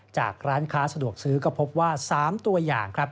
จากร้านค้าสะดวกซื้อก็พบว่า๓ตัวอย่างครับ